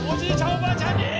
おばあちゃんに。